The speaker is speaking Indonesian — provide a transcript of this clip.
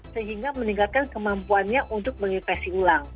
sehingga meningkatkan kemampuannya untuk menginfeksi ulang